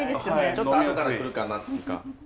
ちょっとあとから来るかなっていうか。